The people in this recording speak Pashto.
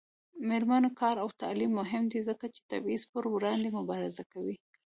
د میرمنو کار او تعلیم مهم دی ځکه چې تبعیض پر وړاندې مبارزه کوي.